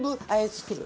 作る。